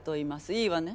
いいわね？